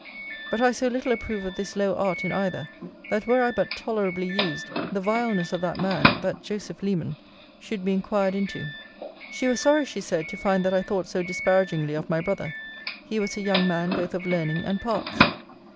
But I so little approve of this low art in either, that were I but tolerably used, the vileness of that man, that Joseph Leman, should be inquired into. She was sorry, she said, to find that I thought so disparagingly of my brother. He was a young man both of learning and parts.